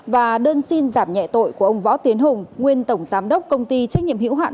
và đơn xin giảm nhẹ tội của ông võ tiến hùng nguyên tổng giám đốc công ty trách nhiệm hữu hạn